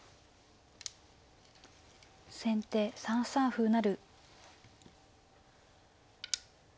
先手３三歩成。